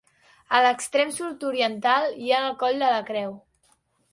A l'extrem sud-oriental hi ha el Coll de la Creu.